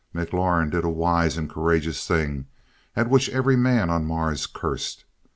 McLaurin did a wise and courageous thing, at which every man on Mars cursed.